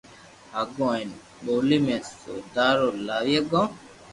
ھگو ھين ٻولي ۾ سودا رو لاوي ھگي